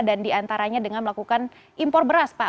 dan diantaranya dengan melakukan impor beras pak